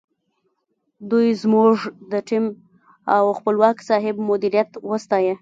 دوی زموږ د ټیم او خپلواک صاحب مدیریت وستایه.